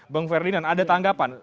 bang ferdinand ada tanggapan